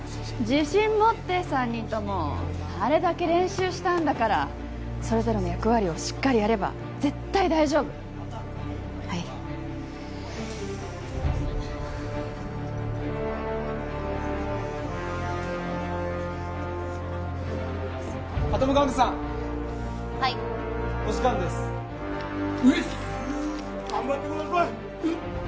自信持って３人ともあれだけ練習したんだからそれぞれの役割をしっかりやれば絶対大丈夫はいアトム玩具さんはいお時間です頑張ってください